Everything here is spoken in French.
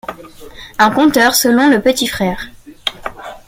Un conteur selon le petit frère.